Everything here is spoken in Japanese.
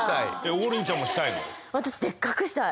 王林ちゃんもしたいの？